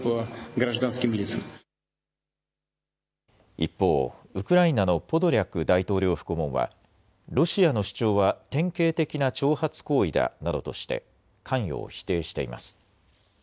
一方、ウクライナのポドリャク大統領府顧問はロシアの主張は典型的な挑発行為だなどとして関与を否定しています。